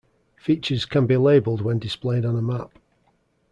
Features can be labeled when displayed on a map.